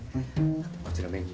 こちらメニューを。